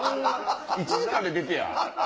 １時間で出てや！